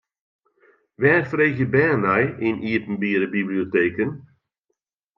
Wêr freegje bern nei yn iepenbiere biblioteken?